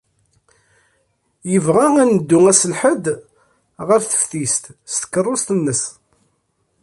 Nebɣa ad neddu ass n Lḥedd ɣer teftist, s tkeṛṛust-nnes.